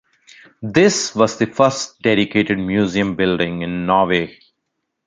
This was the first dedicated museum building in Norway.